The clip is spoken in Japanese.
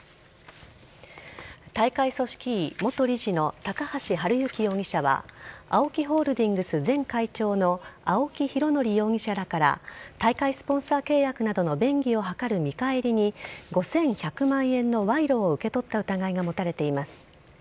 大会組織委元理事の高橋治之容疑者はＡＯＫＩホールディングス前会長の青木拡憲容疑者らから大会スポンサー契約などの便宜を図る見返りに５１００万円の賄賂を受け取った疑いが持たれています。